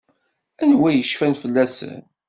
Anwa i yecfan fell-asen?